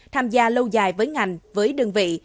tham gia lâu dài với ngành với đơn vị